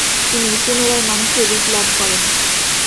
তিনি পুনরায় মানুষে রুপ লাভ করেন।